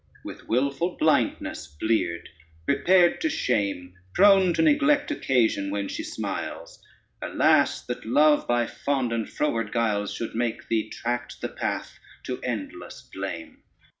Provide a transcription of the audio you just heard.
With wilful blindness bleared, prepared to shame, Prone to neglect Occasion when she smiles: Alas, that love, by fond and froward guiles, Should make thee tract the path to endless blame!